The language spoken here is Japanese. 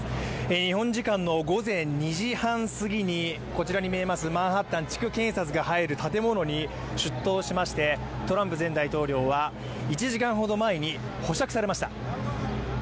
日本時間の午前２時半すぎにこちらに見えますマンハッタン地区検察が入る建物に出頭しましてトランプ前大統領は１時間ほど前に保釈されました。